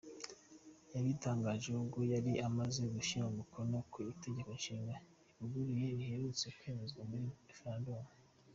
Yabitangaje ubwo yari amaze gushyira umukono ku Itegeko Nshinga rivuguruye riherutse kwemezwa muri referendumu.